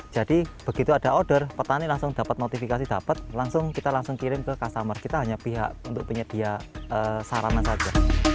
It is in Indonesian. jadi begitu ada order petani langsung dapat notifikasi dapat langsung kita langsung kirim ke customer kita hanya pihak untuk penyedia saranan saja